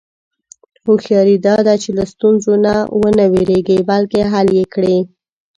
هوښیاري دا ده چې له ستونزو نه و نه وېرېږې، بلکې حل یې کړې.